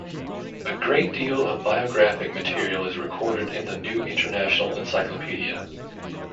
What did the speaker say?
A great deal of biographic material is recorded in the "New International Encyclopedia".